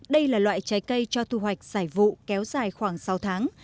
đây là loại trái cây cho thu hoạch giải vụ kéo dài khoảng sáu tháng